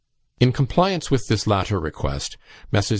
In compliance with this latter request, Messrs.